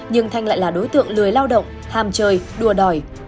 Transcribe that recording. nhưng thanh lại là đối tượng lười lao động hàm chơi đùa đòi